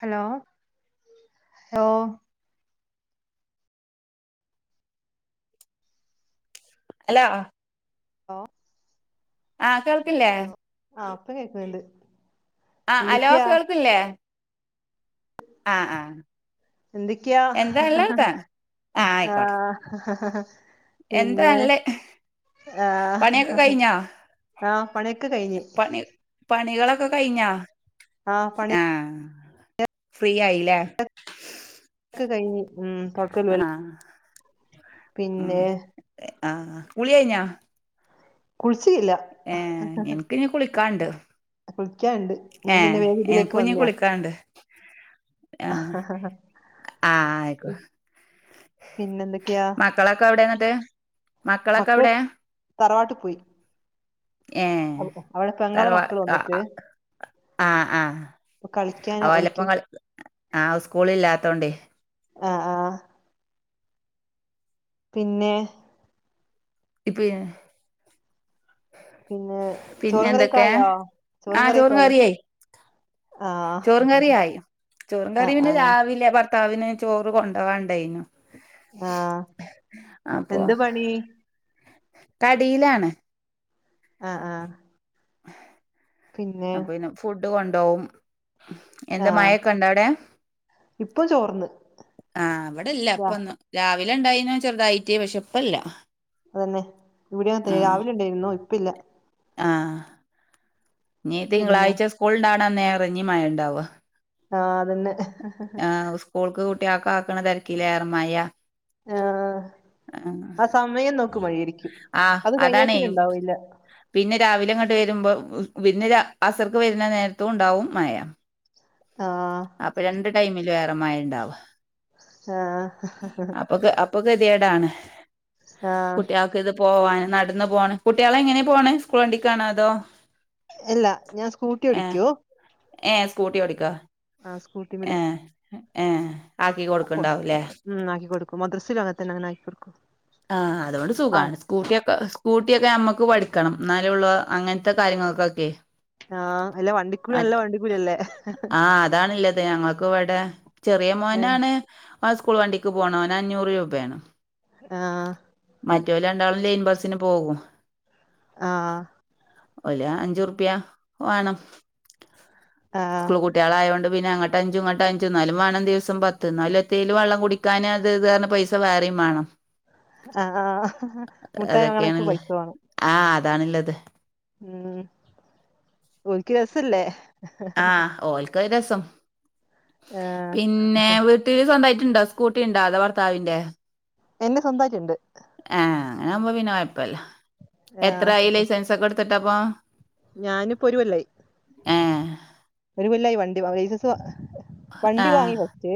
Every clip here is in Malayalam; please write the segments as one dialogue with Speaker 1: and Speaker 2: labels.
Speaker 1: Hello hello.
Speaker 2: ഹലോ.
Speaker 1: ഓ.
Speaker 2: ആഹ് കേൾക്കില്ലേ
Speaker 1: ഹലോ ആ ഇപ്പം കേക്ക്ന്ന്ണ്ട് എന്തൊക്ക്യാ?
Speaker 2: ഇപ്പില്ലേ.
Speaker 1: എന്തൊക്ക്യാ?
Speaker 2: എന്താ നല്ലർക്കാ
Speaker 1: ആഹ് ഹ് ഹ് ഹ്.
Speaker 2: എന്താല്ല്
Speaker 1: ആ [unintelligible] ആഹ് പണിയൊക്കെ കഴിഞ്ഞ്
Speaker 2: പണി പണികളൊക്കെ കഴിഞ്ഞാ
Speaker 1: ആ പണിയൊക്കെ
Speaker 2: ആഹ് ഫ്രീ ആയില്ലേ
Speaker 1: ഒക്കെ കഴിഞ്ഞ് മ്മ് [unintelligible]
Speaker 2: ആഹ് മ്മ് ആഹ് കുളി കഴിഞ്ഞാ?
Speaker 1: കുളിച്ചില്ല
Speaker 2: ഏഹ് എനിക്കിനി കുളിക്കാണ്ട്
Speaker 1: കുളിക്കാനിണ്ട് ഞാൻ പിന്നെ
Speaker 2: ഏഹ്
Speaker 1: വേഗം ഇതിലേക്ക്
Speaker 2: എനിക്കും
Speaker 1: വന്നയാ
Speaker 2: [unintelligible] ആഹ് ആഹ് ആയിക്കോ
Speaker 1: പിന്നെ എന്തൊക്കെയാ
Speaker 2: മക്കളൊക്കെ എവിടെയന്നട്ട്
Speaker 1: മക്കൾ തറവാട്ടി പോയി
Speaker 2: ഏഹ്
Speaker 1: അവ- അവിടെ പെങ്ങളെ മക്കള്
Speaker 2: തറവാട്ട്ക്ക
Speaker 1: വന്നിക്ക്
Speaker 2: ആഹ് ആഹ്
Speaker 1: കളിക്കാന് ഓൽക്ക്
Speaker 2: ഓലപ്പം കളി ആ സ്കൂള് ഇല്ലാത്തോണ്ട്
Speaker 1: ആഹ് ആഹ് പിന്നെ
Speaker 2: ഇപ്പഴ
Speaker 1: പിന്നെ
Speaker 2: പിന്നെ
Speaker 1: ചോറും കറിയൊക്കെ
Speaker 2: എന്തൊക്കെ
Speaker 1: ആയോ
Speaker 2: ആ
Speaker 1: കറിയൊക്കെ
Speaker 2: ചോറും
Speaker 1: ആയോ
Speaker 2: കറിയായി
Speaker 1: ആ
Speaker 2: ചോറും കറിയായി ചോറും
Speaker 1: ആഹ്
Speaker 2: കറിയും പിന്നെ
Speaker 1: ആഹ്
Speaker 2: രാവിലെ പ ഭർത്താവിനെ ചോറ് കൊണ്ടപോവാണ്ടായിനു
Speaker 1: ആഹ്
Speaker 2: അപ്പൊ
Speaker 1: എന്ത് പണി
Speaker 2: കടിയിലാണ്
Speaker 1: ആഹ് ആഹ്
Speaker 2: അ പിന്നെ ഫുഡ് കൊണ്ടോവും എന്താ
Speaker 1: ആഹ്
Speaker 2: മഴൊക്കെ ഇണ്ടോ അവിടെ
Speaker 1: ഇപ്പൊ ചോർന്ന്
Speaker 2: ആഹ് ഇവിടില്ല
Speaker 1: യാ
Speaker 2: ഇപ്പൊന്നു രാവിലെ ഇണ്ടായിന് ചെറുതായിറ്റ് പക്ഷെ ഇപ്പല്ല
Speaker 1: അതന്നെ ഇവിടെയും അതെ
Speaker 2: ആഹ്
Speaker 1: രാവിലെ ഉണ്ടായിരുന്നു ഇപ്പ ഇല്ല
Speaker 2: ആഹ് ഇഞ്
Speaker 1: പിന്നെ
Speaker 2: തിങ്കളാഴ്ച സ്കൂളിണ്ടാണെന്നെ നേറഞ്ഞി മഴ ഉണ്ടാവ
Speaker 1: ആഹ് അതന്നെ
Speaker 2: ആ സ്കൂൾക്ക് കുട്ടിയാക്ക് ആക്കണ തിരക്കില ഏറ മയ
Speaker 1: ആഹ് ആ സമയം നോക്ക് മഴയിരിക്കും
Speaker 2: ആഹ്
Speaker 1: അത്
Speaker 2: അതാണേ
Speaker 1: കഴിഞ്ഞാപ്പിന്ന ഇണ്ടാവൂല്ല
Speaker 2: പിന്നെ രാവിലെ അങ്ങട്ട് വരുമ്പോ പിന്നെ അസർക്ക് വരുന്ന നേരത്തും ഉണ്ടാവും മഴ
Speaker 1: ആഹ്
Speaker 2: അപ്പൊ രണ്ട് ടൈമില് ഏറെ മഴ ഉണ്ടാവ
Speaker 1: ആഹ്
Speaker 2: അപ്പൊക്ക് അപ്പൊ ഗതിയേടാണ്
Speaker 1: ആഹ്
Speaker 2: കുട്ടികൾക്ക് ഇത് പോവാൻ നടന്ന് പോണ് കുട്ടികളെ എങ്ങനെയാ പോണ് സ്കൂൾ വണ്ടിക്കാണോ അതോ
Speaker 1: അല്ല ഞാൻ സ്കൂട്ടി
Speaker 2: ഏഹ്
Speaker 1: ഓടിക്കൂ
Speaker 2: ഏഹ് സ്കൂട്ടി ഓടിക്കാ
Speaker 1: ആഹ് സ്കൂട്ടിമ്മല്
Speaker 2: ഏഹ് ഏഹ് ആക്കി കൊടുക്കണ്ടാവൂലേ
Speaker 1: മ്മ് ആക്കി കൊട്ക്കും മദ്രസയിലും അങ്ങനെ തന്നെ ഞാൻ ആക്കി കൊടുക്കും.
Speaker 2: ആഹ് അതോണ്ട് സുഗാണ് സ്കൂട്ടിയൊക്കെ സ്കൂട്ടിയൊക്കെ നമ്മുക്ക് പഠിക്കണം എന്നാല ഉുള്ളു അങ്ങനത്തെ കാര്യങ്ങൾക്കൊക്കെ
Speaker 1: ആഹ അല്ലാ വണ്ടി
Speaker 2: ആഹ അതാണില്ലത് ഞങ്ങൾക്ക് ഇവിടെ ചെറിയ
Speaker 1: ആഹ്
Speaker 2: മോനാണ് ആ സ്കൂൾ വണ്ടിക്ക് പോണ ഓന അഞ്ഞൂറ് രൂപയാണ്
Speaker 1: ആഹ്
Speaker 2: മറ്റേല് രണ്ടാളും ലെയിൻ ബസിന് പോകും
Speaker 1: ആഹ്
Speaker 2: ഒല് അഞ്ചു റുപ്യ വേണം
Speaker 1: ആഹ്
Speaker 2: സ്കൂൾ കു കുട്ടയാളായോണ്ട് പിന്നെ അങ്ങോട്ട അഞ്ചും ഇങ്ങോട്ട അഞ്ചും എന്നും വാ ണം ദിവസംത്ത് എന്നാലും എതെ ലും വെള്ളം കുടിക്ക കന അത് ഇത് പൈസ വേറെയും വേണം
Speaker 1: ആഹ
Speaker 2: അതൊക്കെയാണല്ലേ ആഹ അതാണല്ലത്
Speaker 1: ഉം ഓല്ക്ക് രസല്ലേ
Speaker 2: ആഹ ഓൽക്ക രസം
Speaker 1: ഏഹ്
Speaker 2: പിന്നെ വസ ഉണ്ടായിട്ടുണ്ട സ്കൂട്ടി ഉണ്ട അോ ഭർത്താവിന്റെ
Speaker 1: എന്നെ സ്വന്തമായിട്ടുണ്ട്
Speaker 2: ആഹ അങ്ങനൊവകുമ്പോ വിനോയപ്പല്ല
Speaker 1: ആഹ്
Speaker 2: എത്രായി ലൈസൻസ ഒക്കെ എടുത്തിട്ട അപ്പൊ
Speaker 1: ഞാന് പ്പൊരുകൊല്ലായി
Speaker 2: ഏഹ്
Speaker 1: ഒരു കൊല്ലായി വണ്ടി ലൈസൻസ് വണ്ടി വാങ്ങി വക്കെ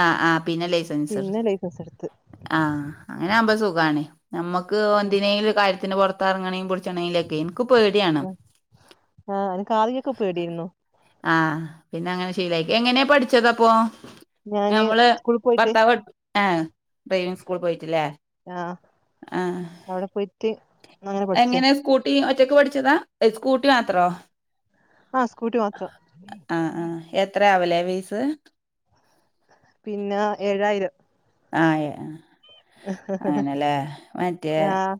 Speaker 2: ആ ആ പിന്നെ ലൈസൻസ്
Speaker 1: അസെടുത്ത്
Speaker 2: ആഹ് അങ്ങനെ ആകുമ്പ സുഖാണ് നമ്മുക്ക് എന്തിനേങ്കിലും കാര്യത്തിന് പുറത്ത്റങ്ങണമെങ്ക എനിക്ക് പേടിയാണ്
Speaker 1: ആഹ് എനിക്ക് ആദ്യൊക്കെ പേടിയായിരുന്നു
Speaker 2: ആഹ പിന്നെ അങ്ങനെ ശീലായി എങ്ങനെയാ പഠിച്ചതപ്പോ
Speaker 1: ഞാന്
Speaker 2: നമ്മള്
Speaker 1: സ്കൂളിൽ പോയിട്ട്
Speaker 2: ഭർത്താവ് ആ ഡ്രൈവിംഗ സ്കൂൾ പോയിട്ടില്ലേ
Speaker 1: ആഹ
Speaker 2: ആ
Speaker 1: അവിടെ പോയി
Speaker 2: എങ്ങനെ സ്കൂട്ടി ഒറ്റക്ക് പഠിച്ചതാ സ്കൂട്ടി മാത്രോ
Speaker 1: ആഹ സ്കൂട്ടി മാത്രം
Speaker 2: ആ ആ എത്ര ആവല്ലേ ഫീസ്
Speaker 1: പിന്നെ ഏഴായിരം
Speaker 2: ആ അങ്ങനെല്ലേ മറ്റേ
Speaker 1: ആഹ്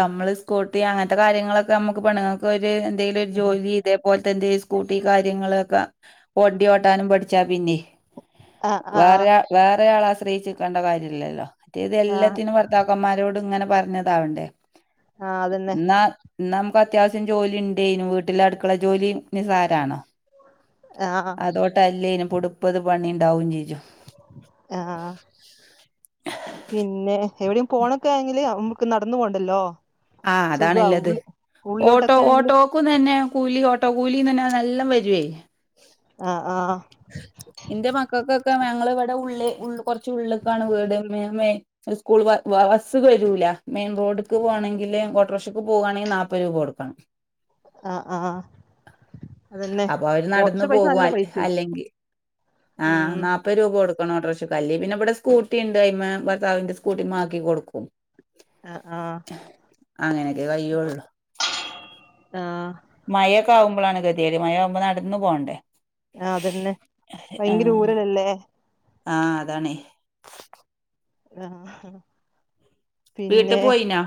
Speaker 2: നമ്മള് സ്കൂട്ടി അങ്ങനത്തെ കാര്യങ്ങളൊക്കെ നമ്മുക്ക് പെണുങ്ങൾക്ക് ഒരു എന്തെങ്കിലും ഒരു ജോലി അതേപോലെ തന്റെ സ്കൂട്ടി കാര്യങ്ങളൊക്കെ വണ്ടി ഓട്ടാനും പഠിച്ചാ പിന്നെ
Speaker 1: ആഹ് ആഹ്
Speaker 2: വേറെ വേറെരാള ആശ്രയിച്ചിരിക്കെ ണ്ട കാര്യമില്ലല്ലോ മറ്റേ ഇത്
Speaker 1: ആഹ്
Speaker 2: എല്ലാത്തിനും പറ ഭർതാക്കന്മാരോട് ഇങ്ങനെ പറഞ്ഞതാവണ്ടേ
Speaker 1: ആഹ് അതന്നെ
Speaker 2: എന്നാ ഇ നമുക്ക് അത്യാവശ്യം ജോലി ഉണ്ടേനും വീട്ടില അടുക്കുള്ള ജോലി നിസാരണ
Speaker 1: ആഹ്
Speaker 2: അതോട്ട അല്ലേനും പൊടുപ്പത് പണി ഉണ്ടാവും ചേച്ചും
Speaker 1: ആഹ പിന്നെ എവിടെയും പോണൊക്കെ എങ്കിൽ നമ്മുക്ക് നടന്ന പോണ്ടല്ലോ
Speaker 2: ആ
Speaker 1: സുഖാ
Speaker 2: അതാണുള്ളത്
Speaker 1: ഉള്ളി
Speaker 2: ഓട്ടോ
Speaker 1: ഉള്ളിലോട്ടൊക്കെ ആണെങ്കില്
Speaker 2: ഓട്ടോ പക്ക തന്നെ കൂലി ഓട്ടോ കൂലിയ തന്നെ നല്ലാം വരോ
Speaker 1: ആഹ ആഹ
Speaker 2: എന്റെ മക്കൾക്കൊക്കെ ഞങ്ങൾ ഇവിടെ ഉള്ളിൽള്ള കുറച്ച ഉള്ള് ക്കാണ് വീട്മ്മേ ഒരു സ്കൂൾ ബസ്സ് വരൂല മെയിൻ റോഡ്ക്ക് പോകണെങ്കിൽ കോട്ടറക്ഷക്ക് പോവുകയാണെങ്കിൽ നാപ്പത് രൂപ കൊടുക്കണം
Speaker 1: ആ ആഹ അതന്നെ ഓട്ടഷ പൈസ നല്ല പൈസ
Speaker 2: അല്ലെങ്കിൽ ആഹ ന മുപ്പ രൂപ കൊടുക്കണംഓട്രോശ കല്ലേപിന്നെവിടെ സ്കൂട്ടി ഉണ്ട് അയിമ ഭർത്താവിന്റെ സ്കൂട്ടി മാക്കി കൊടുക്കും
Speaker 1: ആഹ ആഹ
Speaker 2: അങ്ങനെയൊക്കെ കയ്യൊള്ളൂ.
Speaker 1: ആഹ്.
Speaker 2: മഴയൊക്കെ ആകുമ്പോഴാണ് ഗതികേട് മഴയാവുമ്പേ നടന്ന് പോകണ്ടേ.
Speaker 1: ആ അതന്നെ. ഭയങ്കര
Speaker 2: ആഹ്
Speaker 1: ഊരലല്ലേ.
Speaker 2: ആഹ് അതാണ്.
Speaker 1: ആ
Speaker 2: വീട്ട്
Speaker 1: പിന്നെ
Speaker 2: പോയിനാ?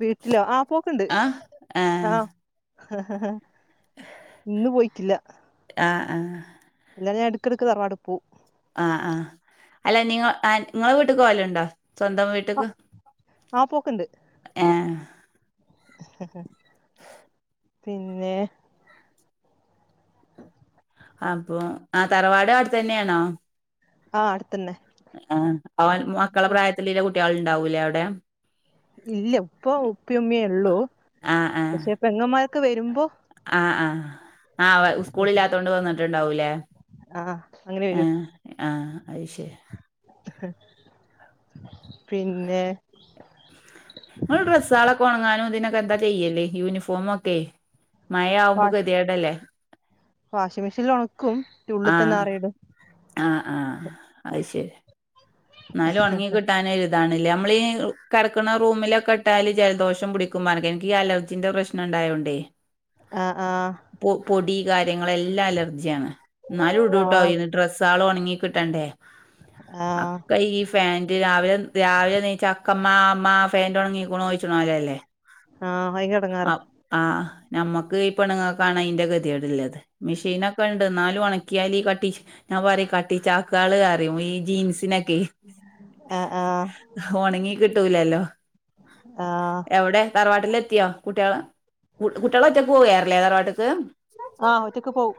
Speaker 1: വീട്ടിലോ? ആഹ് പോക്കുണ്ട്. ആഹ് ഇന്ന് പോയിട്ടില്ല.
Speaker 2: ആ ആ
Speaker 1: ന്നാലും ഞാൻ എടക്കെടക്ക് തറവാട്ട്പ്പോം
Speaker 2: ആ ആ അല്ല നി നിങ്ങളെ വീട്ട്ക്ക് പോവല്ണ്ടോ സ്വന്തം വീട്ട്ക്ക്
Speaker 1: ആ പോക്ക്ണ്ട്
Speaker 2: ഏ
Speaker 1: പിന്നെ
Speaker 2: അപ്പൊ ആ തറവാട് അവിട്ത്തെന്നെണോ
Speaker 1: ആ അട്ത്തെന്നെ
Speaker 2: ആ അവൻ മക്കളെ പ്രായത്തില്ള്ള കുട്ട്യാള്ണ്ടാവൂലേവടെ
Speaker 1: ഇല്ല ഇപ്പൊ ഉപ്പയേം മ്മേംള്ളൂ പക്ഷെ പെങ്ങമ്മാരൊക്കെ വെര്മ്പോ
Speaker 2: ആ ആ ആ സ്കൂളില്ലാത്തോണ്ട് വന്ന്ട്ട്ണ്ടാവൂലേ
Speaker 1: ആ അങ്ങനെ
Speaker 2: ഏ
Speaker 1: വരും
Speaker 2: ആ അത് ശെരി
Speaker 1: പിന്നെ
Speaker 2: ങ്ങള് ഡ്രസ്സാളൊക്കെ ഒണങ്ങാനും ഇതിനൊക്കെ എന്താ ചെയ്യല് യൂനിഫോമൊക്കെ മയാവുമ്പോ ഗത്യേടല്ലേ
Speaker 1: വാഷിമിഷീനിലൊൺക്കും
Speaker 2: ആ ആ ആ അത് ശെരി ന്നാലും ഉൺങ്ങി കിട്ടാനൊരു താണ്ല്ലെ നമ്മളീ കെട്ക്ക്ണ റൂമിലൊക്കെട്ടാല് ജലദോഷം പിടിക്കും പറഞ്ഞ്ക്ക് ഇൻക്കീ അലർജിന്റെ പ്രശ് നം ണ്ടായോണ്ടേ
Speaker 1: ആ ആ
Speaker 2: പൊ പൊടി കാര്യങ്ങളെല്ലാം അലർജ്യാണ് ന്നാലും ഇടൂട്ടോ
Speaker 1: ആ
Speaker 2: ഡ്രസ്സാളൊൺങ്ങി കിട്ടണ്ടേ അപ്
Speaker 1: ആഹ്
Speaker 2: ഒക്കെ ഈ ഫാന്റ് രാവിലെ രാവിലെ ണീച്ച് അക്കമ്മ മ്മ ഫാന്റോൺങ്ങിക്ക്ണോ ചോയ്ച്ച്ണോല്ലല്ലേ
Speaker 1: ആ [unintelligible]
Speaker 2: ആ ആ ഞമ്മക്ക് ഈ പെണ്ണ്ങ്ങക്കാണ് അയ്ന്റെ ഗത്യേട്ള്ളത് മിഷീനൊക്കെണ്ട് ന്നാലും ഒണക്കിയാല് ഈ കട്ടി ഞാൻ പറയും കട്ടി ചാക്കാള് പറയും ഈ ജീൻസിനൊക്കെ
Speaker 1: ആഹ് ആഹ്
Speaker 2: ഒണങ്ങി കിട്ടൂലല്ലോ
Speaker 1: ആഹ്
Speaker 2: എവടെ തറവാട്ടിലെത്യോ കുട്ട്യാള് കുട്ട്യാള് ഒറ്റയ്ക്ക് പോകാറില്ലേ തറവാട്ട്ക്ക്
Speaker 1: ആ ഒറ്റക്ക് പോകും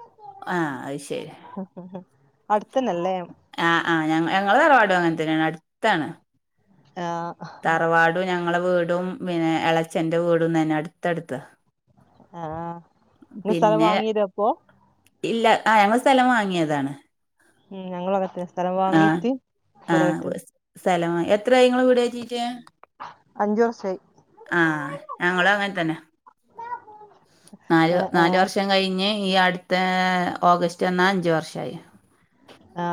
Speaker 2: ആഹ് അത് ശരി
Speaker 1: അട്ത്തന്നല്ലേ
Speaker 2: ആ ആ ഞ ഞങ്ങളെ തറവാടും അങ്ങൻത്തെന്നെണ് അട്ത്താണ്
Speaker 1: ആ
Speaker 2: തറവാടും ഞങ്ങളെ വീടും പിന്നെ ഇളേച്ഛന്റെ വീടും തന്നെ അട്ത്തട്ത്താ
Speaker 1: ആ ങ്ങള് സ്ഥലം
Speaker 2: പിന്നെ
Speaker 1: വാങ്ങീലാപ്പൊ
Speaker 2: ഇല്ല ആ ഞങ്ങൾ സ്ഥലം വാങ്യേതാണ്
Speaker 1: ഉം ഞങ്ങളും അങ്ങൻത്തെന്നെ
Speaker 2: ആ ആ സ്ഥലം വാങ്ങി എത്രായി ങ്ങള് വീട് കേറ്റിറ്റ്
Speaker 1: അഞ്ചു വർഷായി
Speaker 2: ആ ഞങ്ങളും അങ്ങൻത്തെന്നെ നാല്
Speaker 1: ആഹ്
Speaker 2: നാല്
Speaker 1: ആഹ്
Speaker 2: വർഷം കയ്ഞ്ഞ് ഈ അടുത്ത ഓഗസ്റ്റ് വന്ന അഞ്ച് വർഷായി
Speaker 1: ആ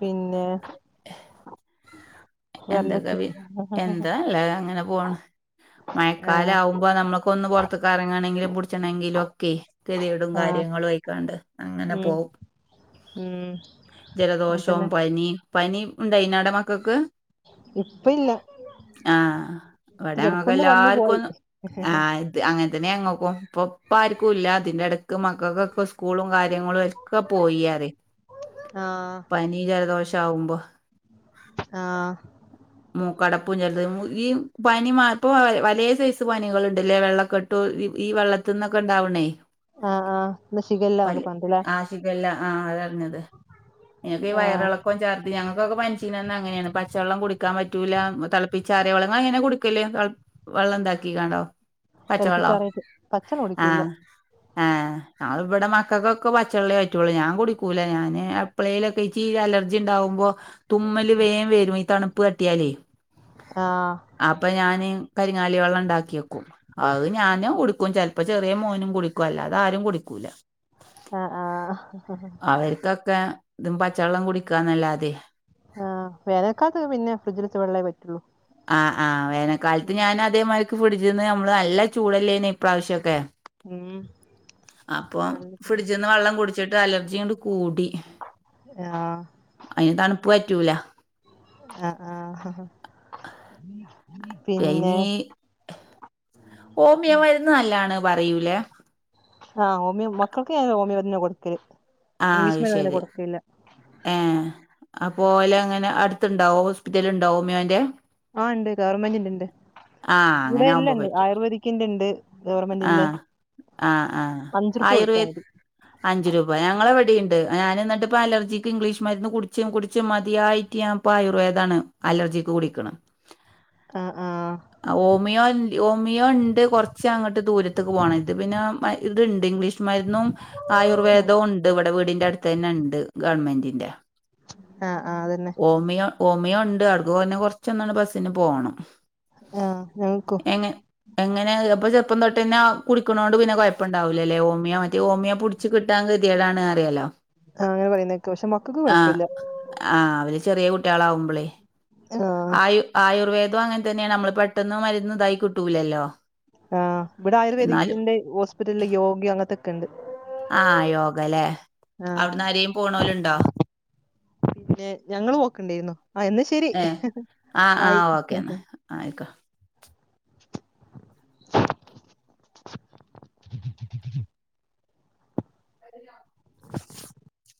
Speaker 1: പിന്നെ വേറെന്തൊക്കെ
Speaker 2: എന്തൊക്കെപി എന്താല്ല അങ്ങനെ പോണ്
Speaker 1: ആഹ്
Speaker 2: മയക്കാലാവും പ്പൊ നമ്മക്കൊന്ന് പൊർത്ത്ക്കെറങ്ങണെങ്കില് പുടിച് ച്ചണെങ്കിലൊക്കെ കെത്യേടും
Speaker 1: ആഹ്
Speaker 2: കാര്യങ്ങളും ആയിക്കാണ്ട് അങ്ങനെ
Speaker 1: ഉം
Speaker 2: പോം
Speaker 1: ഉം
Speaker 2: ജലദോഷവും
Speaker 1: അങ്ങൻത്തന്നെ
Speaker 2: പനീം പനിണ്ടായിന്നൊ അവടെ മക്കക്ക്
Speaker 1: ഇപ്പല്ല
Speaker 2: ആ ഇവടെ
Speaker 1: വന്നു പോയി
Speaker 2: ഞങ്ങക്കെല്ലാര്ക്കും ആ അങ്ങൻത്തെന്നെ അങ്ങക്കും ഇപ്പൊ ഇപ്പാര്ക്കുംല്ല തിന്റെ എടക്ക് മക്കക്കൊക്കെ സ്കൂളും കാര്യങ്ങളും ഒക്കെ പോയിയറെ
Speaker 1: ആ
Speaker 2: പനി ജലദോഷ ആവുമ്പോ
Speaker 1: ആ
Speaker 2: മൂക്കടപ്പും ജലത് ഈ പനി മറപ്പോ വലിയ സൈസ് പനികളു ണ്ടല്ലേ വെള്ളക്കെട്ട ട്ടോ ഈ വെള്ളത്തിന്നൊക്കെ ഉണ്ടാവണേ
Speaker 1: ആഹ് ആഹ് ഇന്ന് ഷിഗല്ല എന്നൊക്കെ
Speaker 2: പല്ല്
Speaker 1: പറഞ്ഞിട്ട്ല്ലേ
Speaker 2: ആശിക്കല്ല ആ അറിഞ്ഞത് എങ്ങ ക്ക് ഈ
Speaker 1: ആഹ്
Speaker 2: വയറിളക്ക ഇപ്പം ചർദി ഞങ്ങക്കൊക്കെ പനിച്ചിക്ക അങ്ങനെയാണ് പച്ചവെള്ളം കുടിക്കാൻ പറ്റൂല്ല തിളപ്പിച്ച് അറിയ വെള്ളങ്ങ ഇങ്ങൾ അങ്ങനെ കു ടിക്കല് വെള്ളം ന്താക്കി കാണ്ടോ
Speaker 1: തിളപ്പിച്ചറി യിട്ട് പച്ച കുടിക്കലില്ല
Speaker 2: അഹ് ഇവിടെ മക്കൾക്കൊക്കെ പച്ചള്ളിയേ പറ്റുള്ളൂ ഞാൻ കുടിക്കൂല ഞാന് എപ്ളേയിലൊക്കെ ഇച്ചി അലർജി ർജി ഉണ്ടാവുമ്പോ തുമ്മല് വേഗം വരും ഈ തണുപ്പ് തട്ടിയാലേ
Speaker 1: ആ
Speaker 2: അപ്പൊ ഞാന് കരിങ്ങാലി വെള്ളം ഉണ്ടാക്കിയ വക്കും അത് ഞാന് കുടിക്കും ചിലപ്പോ ചെറിയ മോനും കുടിക്കുംല്ലാത്ത അത് ആരും കുടിക്കൂല
Speaker 1: ആഹ് ആഹ്
Speaker 2: അവർക്കൊക്കെ ഇതും പച്ചവെള്ളം കുടിക്കാന്നല്ലാതെ
Speaker 1: ആ വേനൽക്കാൽ കൊക്കെ പിന്നെ ഫ്രിഡ്ജിലിവെച്ച വെള്ളേ പറ്റുള്ളൂ
Speaker 2: ആ ആ വേനൽക്കാലത്ത് ഞാൻ അതേമാർക്ക് ഫിഡിച്ചിന്ന് നമ്മള് നല്ല ചൂടല്ലേന്ന ഇപ്രാവശ്യമൊക്കെ
Speaker 1: ഉം
Speaker 2: അപ്പം
Speaker 1: നല്ല
Speaker 2: ഫ്രിഡ്ജിന്നു വെള്ളം കുടിച്ചിട്ട് അലർജി ഇങ്ങട്ട് കൂടി
Speaker 1: ആ
Speaker 2: അയിന് തണുപ്പ് പറ്റൂല
Speaker 1: ആ ആ
Speaker 2: ഐന് ഹോമിയോ മരുന്ന് നല്ലാണ് പറയൂലേ
Speaker 1: ആഹോമിയോ മക്കൾക്ക് ഞ ഹോമിയോന്നെ കൊടുക്കല് ഇംഗ്ലീഷ് മരുന്ന് അങ്ങനെ കൊടുക്കലില്ല
Speaker 2: ഏ അപ്പോലെ അങ്ങനെ അടുത്തുണ്ടാവോ ഹോസ്പിറ്റല ഉണ്ടാവോ ഹോമിയോന്റെ
Speaker 1: ആ ഉണ്ട് ഗവൺമെന്റിന്റെ ഉണ്ട്
Speaker 2: ആഹ്
Speaker 1: ഇവിടെ
Speaker 2: അങ്ങനെ
Speaker 1: ഇല്ല
Speaker 2: ആവുമ്പോ
Speaker 1: ഉണ്ട്
Speaker 2: പറ്റും
Speaker 1: ആയുർവേദിക്കിന്റെ ഉണ്ട് ഗവർമെന്റിന്റെ
Speaker 2: ആഹ് ആഹ് ആഹ്
Speaker 1: അഞ്ച് റുപ്യാ
Speaker 2: ആയുർവേ
Speaker 1: കൊടുത്താൽ മതി
Speaker 2: അഞ്ച് രൂപ ഞങ്ങളെ ഇവിടെയുണ്ട് ഞാൻ എന്നിട്ട്പ്പോ അലർജിക്ക് ഇംഗ്ലീഷ് മരുന്ന് കുടിച്ച് കുടിച്ചും മതിയായിട് ഞാൻ ഇപ്പ ആയുർവേദാ ണ് അലർജിക്ക് കുടിക്കണ
Speaker 1: ആ ആ
Speaker 2: ഹോമിയോ ഹോമിയോ ഉണ്ട് കുറച്ച് പക്ഷെ അങ്ങോട്ട് ദൂരത്തക്ക് പോകണ ഇത് പിന്നെ ഇത്ണ്ട് ഇംഗ്ലീഷ്മാര്ന്നും ആയുർവേദവും ഉണ്ട് ഇ ഇവിടെ വീടിന്റെറ അടുത്ത് തന്നെ ഉണ്ട് ഗവൺമെന്റിന്റെ
Speaker 1: ആ ആ അതന്നെ
Speaker 2: ഹോമിയോ ഹോമിയോ ഉണ്ട് അടക്ക്ഞ്ഞെ കൊറച്ചൊന്നാണ്ട് ബസ്സിന് പോകണം
Speaker 1: ആ ഞങ്ങക്കും
Speaker 2: എങ്ങനെ ഇപ്പൊ ചെറപ്പം തൊട്ട തന്നെ കുടി ക്കണതോണ്ട് പിന്നെ കുഴപ്പുണ്ടാവില്ലല്ലേ ഹോമിയ മറ്റ ഹോമിയ പുടി ച്ച് കിട്ടാൻ കെതിയടാണ് അറിയാലോ
Speaker 1: ആഹ് അങ്ങനെ പറയുന്നക്കാ പക്ഷെ മക്കക്ക് കൊഴപ്പല്ല
Speaker 2: ആഹ്അവര് ചെറിയ കുട്ടികള ആവുമ്പളേ
Speaker 1: ആഹ്
Speaker 2: ആയു ആയുർവേദം അങ്ങനെ തന്നെയാണ് നമ്മൾ പെട്ടെന്ന് മരുന്ന് ഇതായി കിട്ടൂലല്ലോ
Speaker 1: ആഹ് ഇവിടെ
Speaker 2: എന്നാലും
Speaker 1: ആയുർവേദിക്കിന്റെ ഹോസ്പിറ്റലില് യോഗ്യ അങ്ങനത്തെൊക്കെണ്ട്
Speaker 2: ആഹ് യോഗല്ലേ അവിടുന്ന് ആരേലും പോണോലുണ്ടോ
Speaker 1: പിന്നെ ഞങ്ങൾ പോക്കണ്ടിരുന്നു ആ എന്ന ശരി
Speaker 2: ഏഹ് ആഹ്
Speaker 1: ആയി
Speaker 2: ഓക്കേന്നാ ആഹ് ആയിക്കോ